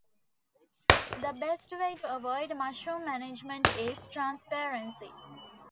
The best way to avoid mushroom management is transparency.